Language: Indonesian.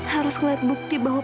harus ngeliat bukti bahwa